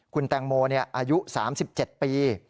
คุณแตงโมอายุ๓๗ปี